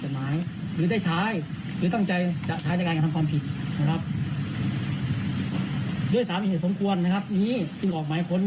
ภาระวัดสืบสวนศอบสวนป้องการสืบสวนตรวจภูทรภาคสี่ภาคพวก